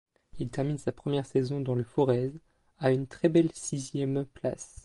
Il termine sa première saison dans le Forez, à une très belle sixième place.